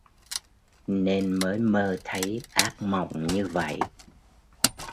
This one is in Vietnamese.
nên mới mơ thấy ác mộng như vậy